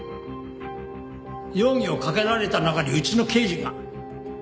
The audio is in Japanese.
容疑をかけられた中にうちの刑事が。